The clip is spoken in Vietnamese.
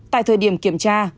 tại thời điểm kiểm tra